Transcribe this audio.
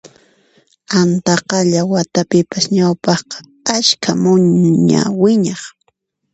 Antaqalla qhatapipas ñawpaqqa ashka muña wiñaq